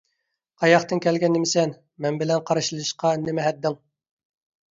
قاياقتىن كەلگەن نېمىسەن، مەن بىلەن قارشىلىشىشقا نېمە ھەددىڭ؟